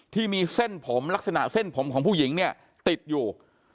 ที่มีเส้นผมลักษณะเส้นผมของผู้หญิงเนี่ยติดอยู่